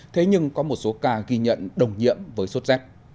thế nhưng có một số ca ghi nhận đồng nhiễm với sốt z